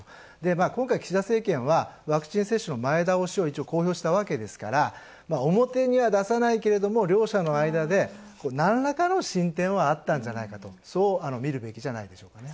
今回、岸田政権はワクチン接種の前倒しを一応公表したわけですから、表には出さないけれども両者の間で、何らかの進展はあったんじゃないかと、そう見るべきじゃないですかね。